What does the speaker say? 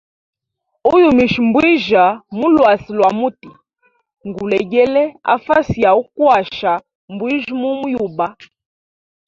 Uyumisha mbwijya mu lwasi lwa muti ngulegele a fasi ya ukwasha mbwijya mu yuba.